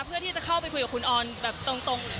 เพื่อที่จะเข้าไปคุยกับคุณออนแบบตรง